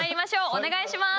お願いします！